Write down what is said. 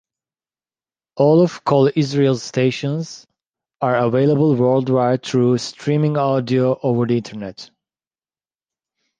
All of Kol Israel's stations are available worldwide through streaming audio over the Internet.